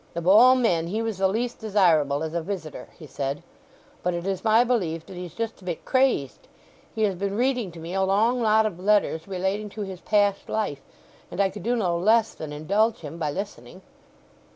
"Of all men he was the least desirable as a visitor," he said; "but it is my belief that he's just a bit crazed. He has been reading to me a long lot of letters relating to his past life; and I could do no less than indulge him by listening."